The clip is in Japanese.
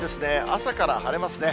朝から晴れますね。